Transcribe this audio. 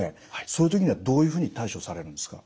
そういう時にはどういうふうに対処されるんですか？